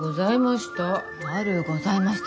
悪うございました。